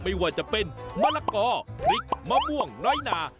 ไม่ว่าจะเป็นมะละกอพริกมะม่วงน้อยนา